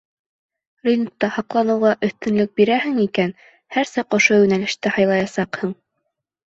Рингта һаҡланыуға өҫтөнлөк бирәһең икән, һәр саҡ ошо йүнәлеште һайлаясаҡһың.